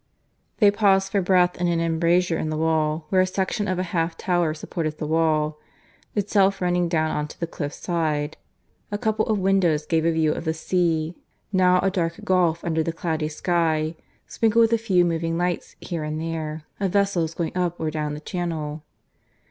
They paused for breath in an embrasure in the wall, where a section of a half tower supported the wall, itself running down on to the cliff side. A couple of windows gave a view of the sea, now a dark gulf under the cloudy sky, sprinkled with a few moving lights, here and there, of vessels going up or down the Channel.